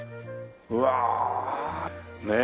うわあ。ねえ？